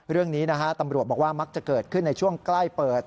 เรื่องนี้นะฮะตำรวจบอกว่ามักจะเกิดขึ้นในช่วงใกล้เปิด